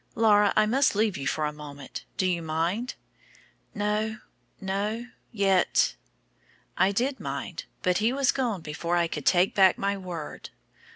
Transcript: Laura, I must leave you for a moment. Do you mind?" "No, no; yet " I did mind; but he was gone before I could take back my word.